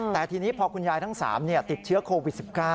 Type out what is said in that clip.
แต่ทีนี้พอคุณยายทั้ง๓ติดเชื้อโควิด๑๙